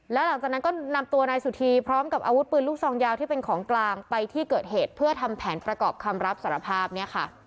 แล้วหลังจากนั้นก็นำตัวนายสุธีพร้อมกับอาวุธปืนลูกซองยาวที่เป็นของกลางไปที่เกิดเหตุเพื่อทำแผนประกอบคำรับสารภาพเนี่ยค่ะ